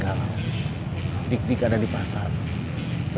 kan belum dapat ini